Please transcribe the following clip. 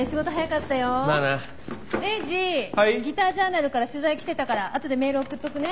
ギタージャーナルから取材きてたからあとでメール送っとくね。